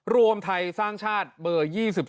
รวมไทยสร้างชาติเบอร์๒๒